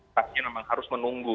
pasien memang harus menunggu